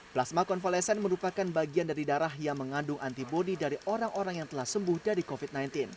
plasma konvalesen merupakan bagian dari darah yang mengandung antibody dari orang orang yang telah sembuh dari covid sembilan belas